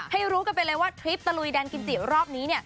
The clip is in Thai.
ให้รู้กับเป็นอะไรว่าทริปตะลุยเดนกินจิรอบนี้